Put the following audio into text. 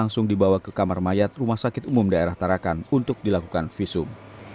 langsung dibawa ke kamar mayat rumah sakit umum daerah tarakan untuk dilakukan visum